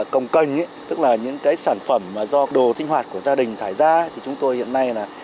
công canh ý tức là những cái sản phẩm mà do đồ sinh hoạt của gia đình thải ra thì chúng tôi hiện nay là